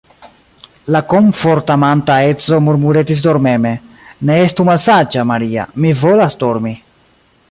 La komfortamanta edzo murmuretis dormeme: Ne estu malsaĝa, Maria; mi volas dormi.